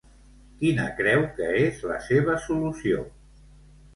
Quina creu que és la seva solució?